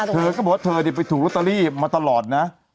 เธอก็บอกว่าเธอไปถูกแบบนี้มาตลอดนะ